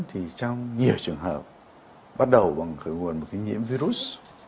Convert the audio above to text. thì trong nhiều trường hợp bắt đầu bằng khởi nguồn một cái nhiễm virus